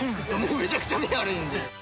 めちゃくちゃ目悪いんで。